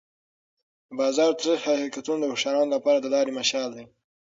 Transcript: د بازار تریخ حقیقتونه د هوښیارانو لپاره د لارې مشال دی.